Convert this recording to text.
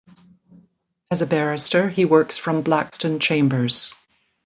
As a barrister he works from Blackstone Chambers.